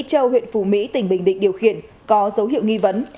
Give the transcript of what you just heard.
châu huyện phù mỹ tỉnh bình định điều khiển có dấu hiệu nghi vấn